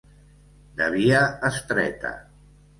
De via estreta.